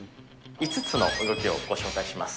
５つの動きをご紹介します。